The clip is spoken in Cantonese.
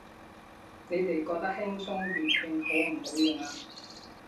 你哋覺得輕鬆粵拼好唔好用啊